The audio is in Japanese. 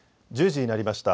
１０時になりました。